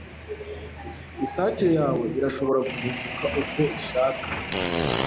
isake yawe irashobora guhinduka uko ishaka